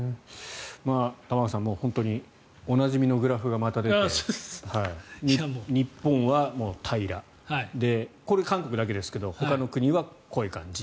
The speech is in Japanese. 玉川さん、本当におなじみのグラフがまた出て日本は平らこれは韓国だけですけどほかの国はこういう感じ。